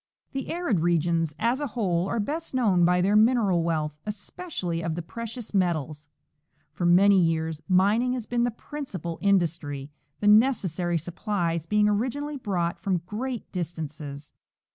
The arid regions, as a whole, are best known by their mineral wealth, especially of the precious metals. For many years min ing has been the principal industry, the necessary supjslies being originally brought from great distances.